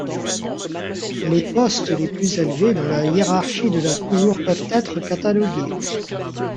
Les postes les plus élevés dans la hiérarchie de la cour peuvent être catalogués.